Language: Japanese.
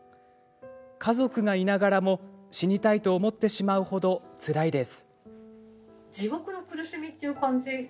「家族がいながらも「死にたい」と思ってしまうほどつらいです」。